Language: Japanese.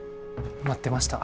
待ってました。